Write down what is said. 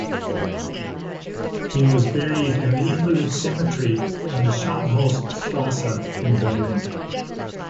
He was buried in the Invalids' Cemetery in the Scharnhorst-Strasse in Berlin.